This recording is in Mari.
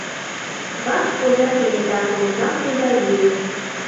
Вакш оза кенета помыжалтме гай лие.